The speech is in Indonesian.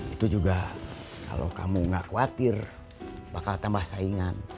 itu juga kalau kamu gak khawatir bakal tambah saingan